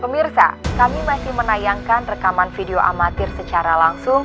pemirsa kami masih menayangkan rekaman video amatir secara langsung